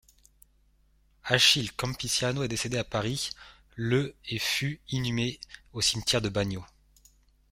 Achille Campisiano est décédé à Paris, le et fut inhumé au cimetière de Bagnaux.